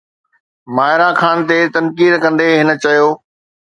ماهرا خان تي تنقيد ڪندي هن چيو